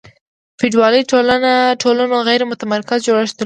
فیوډالي ټولنو غیر متمرکز جوړښت درلود.